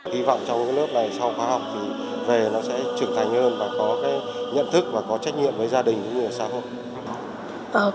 hy vọng trong lớp này sau khóa học thì về nó sẽ trực thành hơn và có nhận thức và có trách nhiệm với gia đình với người xã hội